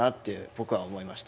僕は思いました。